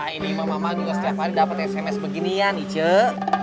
ah ini emak emak gua setiap hari dapet sms beginian aceh